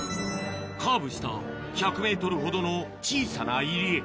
カーブした１００ｍほどの小さな入り江